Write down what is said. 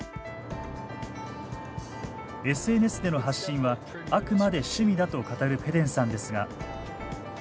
ＳＮＳでの発信はあくまで趣味だと語るペデンさんですが。